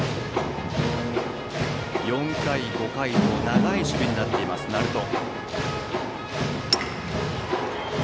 ４回、５回と長い守備になっている鳴門。